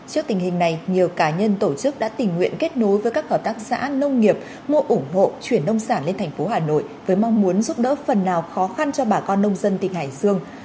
trước tình hình này nhiều cá nhân tổ chức đã tình nguyện kết nối với các hợp tác xã nông nghiệp mua ủng hộ chuyển nông sản lên thành phố hà nội với mong muốn giúp đỡ phần nào khó khăn cho bà con nông dân tỉnh hải dương